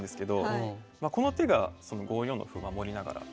この手が５四の歩守りながら。